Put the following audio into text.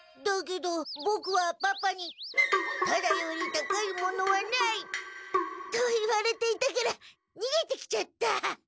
だけどボクはパパに「タダより高いものはない」と言われていたからにげてきちゃった。